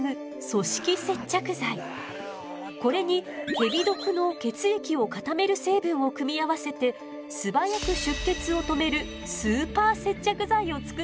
これにヘビ毒の血液を固める成分を組み合わせて素早く出血を止めるスーパー接着剤を作ったのよ。